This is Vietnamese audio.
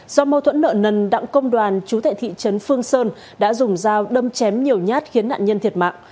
do mâu thuẫn nợ nần đặng công đoàn chú tại thị trấn phương sơn đã dùng dao đâm chém nhiều nhát khiến nạn nhân thiệt mạng